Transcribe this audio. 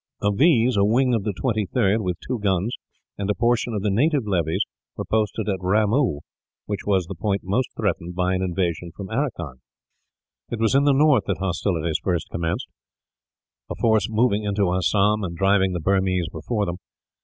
Of these a wing of the 23rd, with two guns, and a portion of the native levies were posted at Ramoo, which was the point most threatened by an invasion from Aracan. It was in the north that hostilities first commenced, a force moving into Assam and driving the Burmese before them.